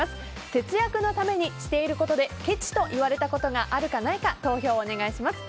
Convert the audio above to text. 節約のためにしていることでけちと言われたことがあるかないか投票をお願いします。